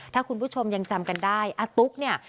ถ้าคุณผู้ชมยังจำกันได้อาตุ๊กเนี่ย